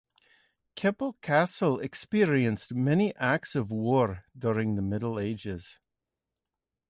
Keppel Castle experienced many acts of war during the Middle Ages.